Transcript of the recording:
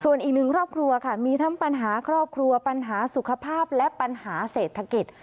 ส่วนอีกหนึ่งครอบครัวค่ะมีทั้งปัญหาครอบครัวปัญหาสุขภาพและปัญหาเศรษฐกิจ